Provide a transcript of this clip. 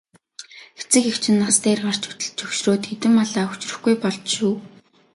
Эцэг эх чинь нас дээр гарч өтөлж хөгшрөөд хэдэн малаа хүчрэхгүй болж шүү.